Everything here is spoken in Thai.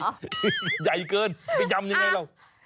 กินไม่ได้ใหญ่เกินไปยำยังไงเรา